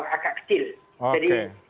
agak kecil jadi